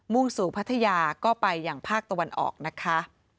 ่งสู่พัทยาก็ไปอย่างภาคตะวันออกนะคะ